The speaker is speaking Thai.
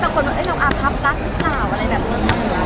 บางคนว่าเราอาพับรักสาวอะไรแบบนั้น